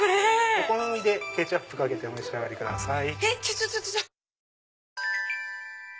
お好みでケチャップかけてお召し上がりください。